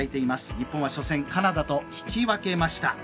日本は初戦カナダと引き分けました。